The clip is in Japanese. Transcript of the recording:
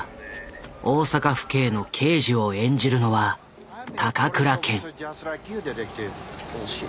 大阪府警の刑事を演じるのは高倉健。